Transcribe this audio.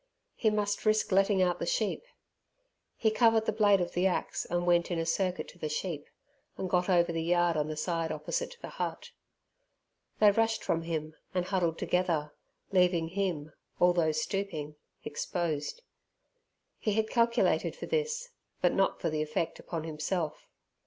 He must risk letting out the sheep. He covered the blade of the axe and went in a circuit to the sheep, and got over the yard on the side opposite to the hut. They rushed from him and huddled together, leaving him, although stooping, exposed. He had calculated for this, but not for the effect upon himself.